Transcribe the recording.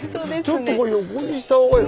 ちょっとこれ横にしたほうが。